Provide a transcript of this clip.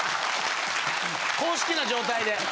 公式な状態で。